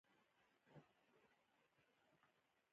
انځرګل باید خپل حاصل په الف ښار کې پلورلی وای.